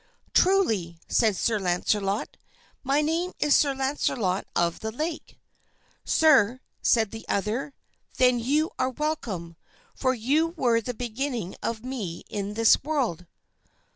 "Truly," said Sir Launcelot, "my name is Sir Launcelot of the Lake." "Sir," said the other, "then you are welcome, for you were the beginning of me in this world."